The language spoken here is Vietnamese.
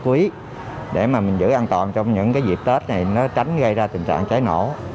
quý để mà mình giữ an toàn trong những cái dịp tết này nó tránh gây ra tình trạng cháy nổ